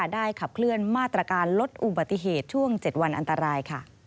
ได้ขับเคลื่อนมาตรการลดอุบัติเหตุช่วง๗วันอันตราย